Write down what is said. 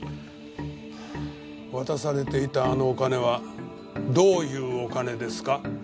渡されていたあのお金はどういうお金ですか？